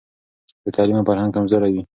بې تعلیمه فرهنګ کمزوری وي.